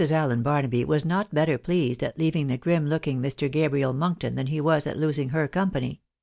AiLEN Baenaby was not better pleased at leaving the grim looking Mr. Gabriel Monkton, than be was at losing her company.